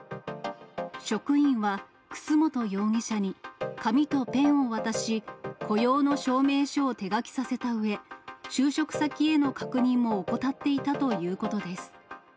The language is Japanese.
職員は楠本容疑者に紙とペンを渡し、雇用の証明書を手書きさせたうえ、就職先への確認も怠っていたということです。